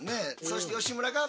そして吉村が。